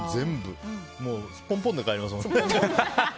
すっぽんぽんで帰りますもんね。